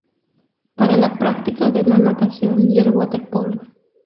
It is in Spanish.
Para la práctica de la natación y el waterpolo.